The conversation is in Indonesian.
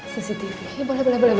cctv ya boleh boleh boleh